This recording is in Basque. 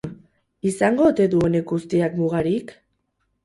Izango ote du honek guztiak mugarik?